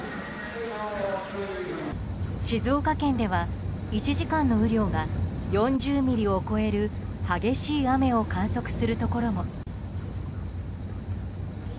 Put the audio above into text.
静岡県では１時間の雨量が４０ミリを超える激しい雨を観測するところも。